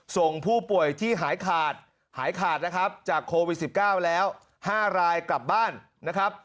ส่งผู้ป่วยที่หายขาดหายขาดนะครับจากโควิด๑๙แล้ว๕รายกลับบ้านนะครับ